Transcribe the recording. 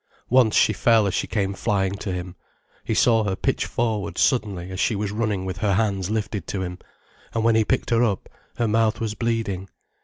Once she fell as she came flying to him, he saw her pitch forward suddenly as she was running with her hands lifted to him; and when he picked her up, her mouth was bleeding.